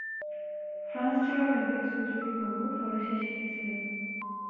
France যাওয়ার আগে Suzuki বাবু ফরাসি শিখেছিলেন।